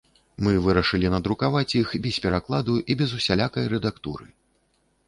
Мы вырашылі надрукаваць іх без перакладу і без усялякай рэдактуры.